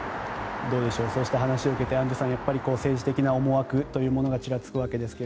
そういう話を受けてアンジュさん政治的な思惑というのがちらつくわけですが。